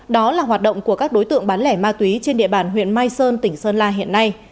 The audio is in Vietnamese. đó là hoạt động của các đối tượng bán lẻ ma túy trên địa bàn huyện mai sơn tỉnh sơn la hiện nay